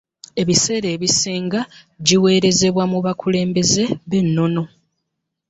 Ebiseera ebisinga giweerezebwa mu bakulembeze b’ennono.